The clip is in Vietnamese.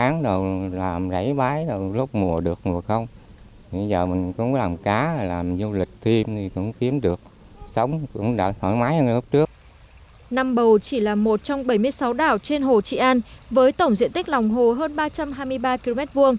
năm bầu chỉ là một trong bảy mươi sáu đảo trên hồ trị an với tổng diện tích lòng hồ hơn ba trăm hai mươi ba km hai